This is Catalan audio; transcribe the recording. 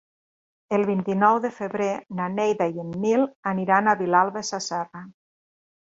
El vint-i-nou de febrer na Neida i en Nil aniran a Vilalba Sasserra.